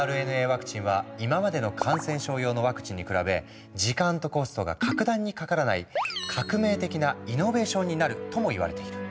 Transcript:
ワクチンは今までの感染症用のワクチンに比べ時間とコストが格段にかからないになるともいわれている。